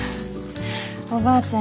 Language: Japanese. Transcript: おばあちゃん